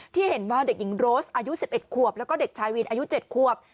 ที่เห็นว่าเด็กหญิงโรสอายุสิบเอ็ดขวบแล้วก็เด็กชายวีนอายุเจ็ดขวบ